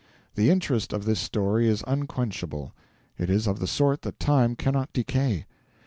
The interest of this story is unquenchable; it is of the sort that time cannot decay.